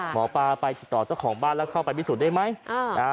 หมอปลาไปติดต่อเจ้าของบ้านแล้วเข้าไปพิสูจน์ได้ไหม